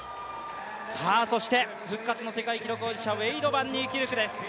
そして前回の世界記録保持者、バンニーキルクです。